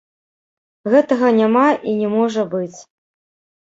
Гэтага няма і не можа быць.